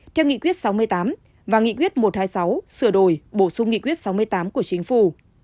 theo nghị quyết sáu mươi tám và nghị quyết một trăm hai mươi sáu sửa đổi bổ sung nghị quyết sáu mươi tám của chính phủ